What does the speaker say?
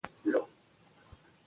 دښتې د ځوانانو لپاره دلچسپي لري.